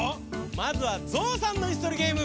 まずはゾウさんのいすとりゲーム。